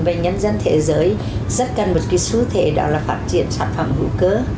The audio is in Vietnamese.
và nhân dân thế giới rất cần một cái xu thế đó là phát triển sản phẩm hữu cơ